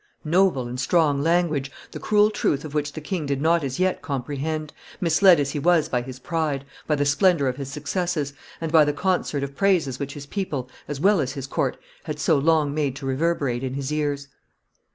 Noble and strong language, the cruel truth of which the king did not as yet comprehend, misled as he was by his pride, by the splendor of his successes, and by the concert of praises which his people as well as his court had so long made to reverberate in his ears.